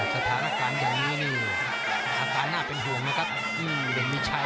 สถานการณ์อย่างนี้นี่อาการน่าเป็นห่วงนะครับที่เด่นมีชัย